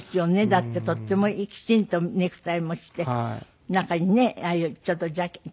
だってとってもきちんとネクタイもして中にねああいうちょっとジャケット。